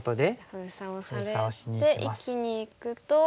封鎖をされて生きにいくと。